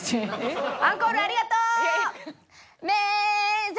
アンコールありがとう！